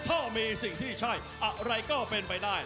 ถ้ามีสิ่งที่ใช่อะไรก็เป็นไปได้